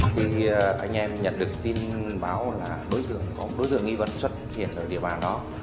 thì anh em nhận được tin báo là đối tượng có đối tượng nghi vấn xuất hiện ở địa bàn đó